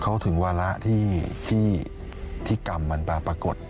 เขาถึงวาระที่กรรมมันปรากฏ